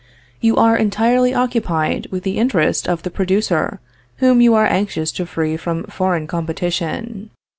You are entirely occupied with the interest of the producer, whom you are anxious to free from foreign competition.